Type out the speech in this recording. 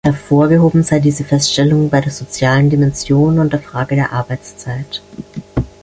Hervorgehoben sei diese Feststellung bei der sozialen Dimension und der Frage der Arbeitszeit.